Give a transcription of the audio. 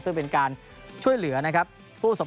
เพื่อเป็นการช่วยเหลือในวันเบื่อ